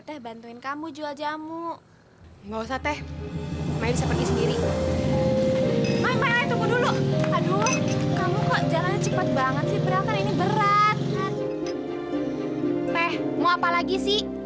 teh mau apa lagi sih